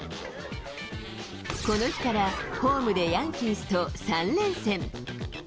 この日からホームでヤンキースと３連戦。